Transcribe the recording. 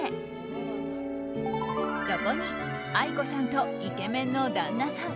そこにＡＩＫＯさんとイケメンの旦那さん